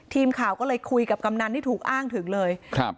ทีมข่าวก็เลยคุยกับกำนันที่ถูกอ้างถึงเลยครับ